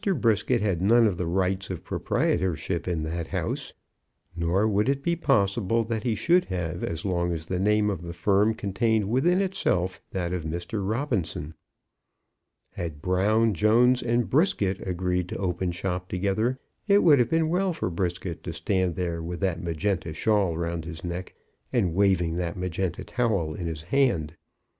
Brisket had none of the rights of proprietorship in that house, nor would it be possible that he should have as long as the name of the firm contained within itself that of Mr. Robinson. Had Brown, Jones, and Brisket agreed to open shop together, it would have been well for Brisket to stand there with that magenta shawl round his neck, and waving that magenta towel in his hand.